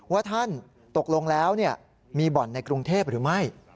ว่าท่านตกลงแล้วมีบ่อนในกรุงเทพหรือไม่